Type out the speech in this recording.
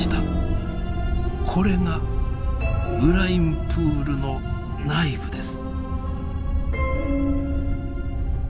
これがブラインプールの内部です。